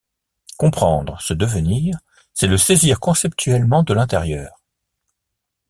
Comprendre ce devenir, c’est le saisir conceptuellement de l’intérieur.